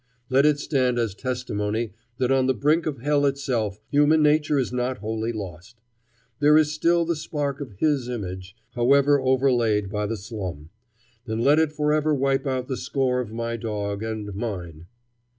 Let it stand as testimony that on the brink of hell itself human nature is not wholly lost. There is still the spark of His image, however overlaid by the slum. And let it forever wipe out the score of my dog, and mine.